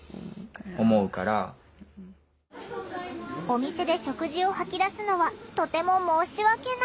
お店で食事を吐き出すのはとても申し訳ない。